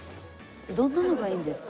どんなのがいいんですか？